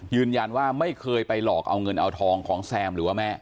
ไม่เคยไปหลอกเอาเงินเอาทองของแซมหรือว่าแม่